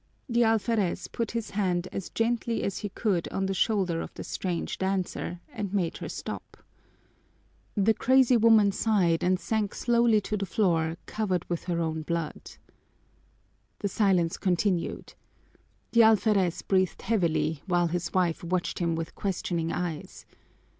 The alferez put his hand as gently as he could on the shoulder of the strange dancer and made her stop. The crazy woman sighed and sank slowly to the floor covered with her own blood. The silence continued. The alferez breathed heavily, while his wife watched him with questioning eyes.